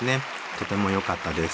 とてもよかったです。